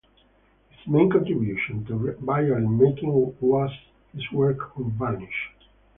His main contribution to violin-making was his work on varnish.